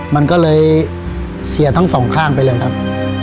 มันก็เลยเสียทั้งสองข้างไปเลยครับ